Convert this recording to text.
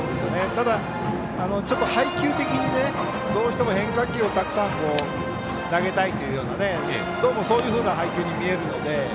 ただ、配球的にどうしても変化球をたくさん投げたいというどうも、そういう配球に見えるので。